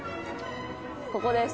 ここです。